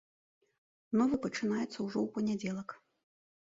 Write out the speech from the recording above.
Новы пачынаецца ўжо ў панядзелак.